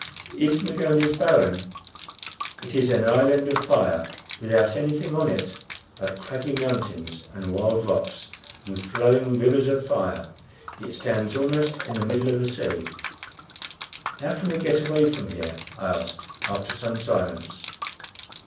"Is Magones barren?" "It is an island of fire, without anything on it but craggy mountains and wild rocks and flowing rivers of fire. It stands almost in the middle of the sea." "How can we get away from here?" I asked, after some silence.